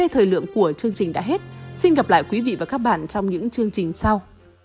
thời lượng của chương trình đã hết xin gặp lại quý vị và các bạn trong những chương trình sau